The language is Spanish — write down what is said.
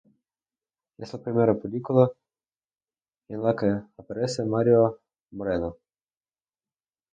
Es la primera película en la que aparece Mario Moreno.